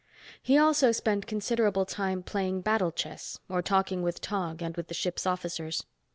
He also spent considerable time playing Battle Chess or talking with Tog and with the ship's officers.